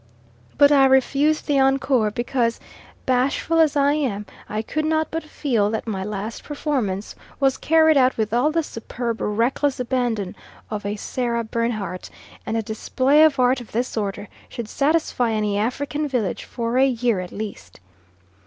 But I refused the encore, because, bashful as I am, I could not but feel that my last performance was carried out with all the superb reckless ABANDON of a Sarah Bernhardt, and a display of art of this order should satisfy any African village for a year at least.